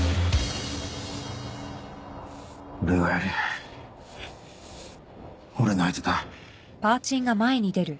俺がやる。